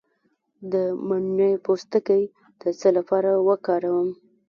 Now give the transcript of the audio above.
د مڼې پوستکی د څه لپاره وکاروم؟